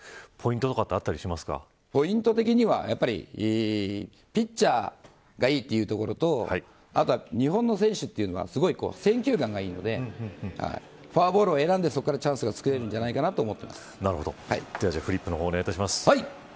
ポイント的にはやはりピッチャーがいいというところとあとは日本の選手というのはすごく選球眼がいいのでフォアボールを選んで、そこからチャンスがつくれるんじゃないかでは、フリップの方お願いします。